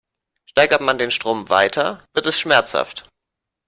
Steigert man den Strom weiter, wird es schmerzhaft.